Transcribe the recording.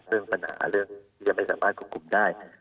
เรื่องปัญหาเรื่องที่จะไม่สามารถควบคุมได้